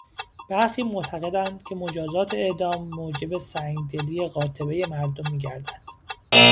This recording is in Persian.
برخی معتقدند که مجازات اعدام موجب سنگدلی قاطبهی مردم میگردد.